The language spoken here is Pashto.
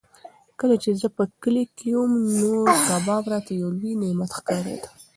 کله چې زه په کلي کې وم نو کباب راته یو لوی نعمت ښکارېده.